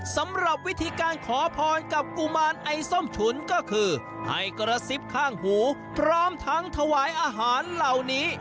สำหรับวิธีการขอพรกับกุมารไอ้ส้มฉุนก็คือให้กระซิบข้างหูพร้อมทั้งถวายอาหารเหล่านี้